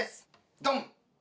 ドン！